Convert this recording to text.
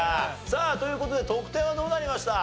さあという事で得点はどうなりました？